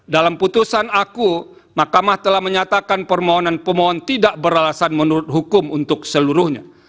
dalam putusan aku mahkamah telah menyatakan permohonan pemohon tidak beralasan menurut hukum untuk seluruhnya